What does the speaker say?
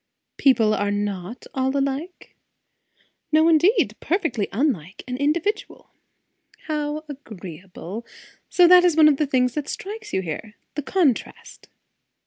"People are not all alike?" "No indeed. Perfectly unlike, and individual." "How agreeable! So that is one of the things that strike you here? the contrast?"